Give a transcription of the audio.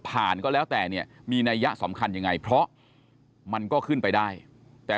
ก็แล้วแต่เนี่ยมีนัยยะสำคัญยังไงเพราะมันก็ขึ้นไปได้แต่